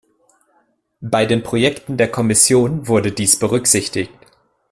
Bei den Projekten der Kommission wurde dies berücksichtigt.